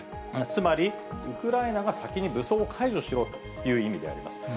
つまりウクライナが先に武装を解除しろという意味であります。